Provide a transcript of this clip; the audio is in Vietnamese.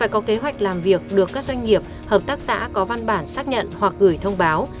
nghiệp hợp tác xã có văn bản xác nhận hoặc gửi thông báo